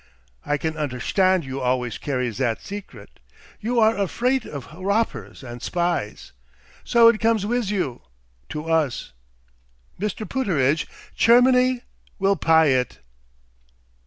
I can undershtandt you always carry zat secret. You are afraidt of roppers and spies. So it comes wiz you to us. Mr. Pooterage, Chermany will puy it."